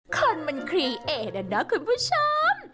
คนมันคลีเอดอะเนาะคุณผู้ชม